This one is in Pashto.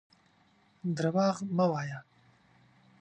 درواغ مه وايه.